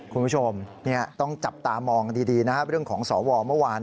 คุณผู้ชมต้องจับตามองดีนะครับเรื่องของสวเมื่อวาน